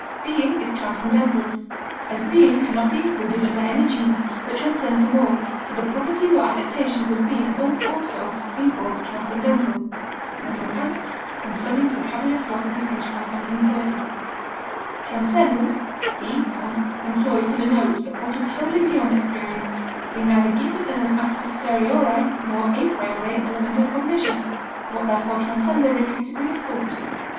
"Being is transcendental.... As being can not be included under any genus, but transcends them all, so the properties or affections of being have also been called transcendental." K. F. Vocab. Philos. p. 530. "Transcendent he [Kant] employed to denote what is wholly beyond experience, being neither given as an a posteriori nor a priori element of cognition what therefore transcends every category of thought."